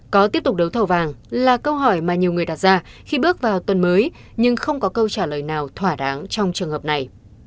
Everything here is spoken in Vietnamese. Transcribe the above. có tiếp tục đấu thầu vàng là câu hỏi mà nhiều người đặt ra khi bước vào tuần mới nhưng không có câu trả lời nào thỏa đáng trong trường hợp này